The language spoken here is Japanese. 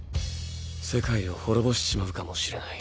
世界を滅ぼしちまうかもしれない。